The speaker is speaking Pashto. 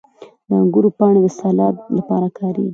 • د انګورو پاڼې د سالاد لپاره کارېږي.